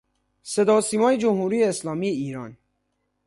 صدا و سیمای جمهوری اسلامی ایران.